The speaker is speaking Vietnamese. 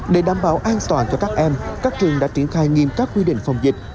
để đảm bảo an toàn cho các em các trường đã triển khai nghiêm các quy định phòng dịch